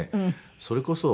それこそ。